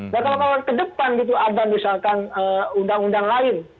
nah kalau ke depan gitu ada misalkan undang undang lain